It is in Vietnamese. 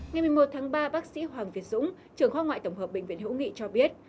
ngày một mươi một tháng ba bác sĩ hoàng việt dũng trưởng khoa ngoại tổng hợp bệnh viện hữu nghị cho biết